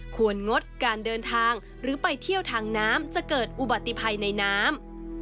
งดการเดินทางหรือไปเที่ยวทางน้ำจะเกิดอุบัติภัยในน้ำ